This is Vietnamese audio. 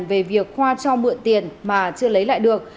về việc khoa cho mượn tiền mà chưa lấy lại được